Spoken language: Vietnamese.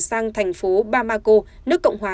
sang thành phố bamako nước cộng hòa